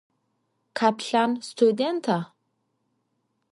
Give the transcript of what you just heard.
Kheplhan studênta?